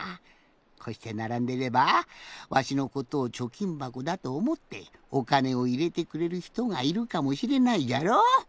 こうしてならんでればわしのことをちょきんばこだとおもっておかねをいれてくれるひとがいるかもしれないじゃろ？